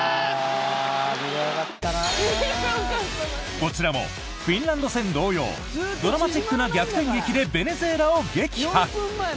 こちらもフィンランド戦同様ドラマチックな逆転劇でベネズエラを撃破！